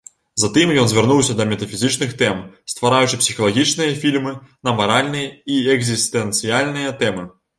Затым ён звярнуўся да метафізічных тэм, ствараючы псіхалагічныя фільмы на маральныя і экзістэнцыяльныя тэмы.